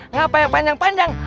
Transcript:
ngapain yang panjang panjang